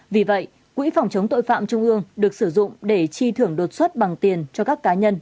vì vậy quỹ phòng chống tội phạm trung ương được sử dụng để chi thưởng đột xuất bằng tiền cho các cá nhân